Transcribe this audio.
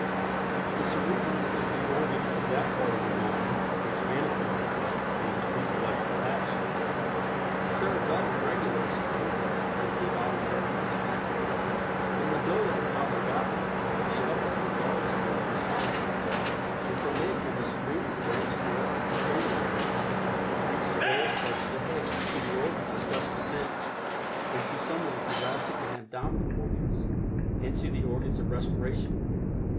The Cerebrum is the organ of that part of the mind which manifests itself in intellectual action. The Cerebellum regulates the movements of the voluntary muscles. The Medulla Oblongata is the upper enlarged end of the spinal cord, and from it and the Cerebrum branch forth the Cranial Nerves which reach to various parts of the head, to the organs of special sense, and to some of the thoracic and abdominal organs, and to the organs of respiration.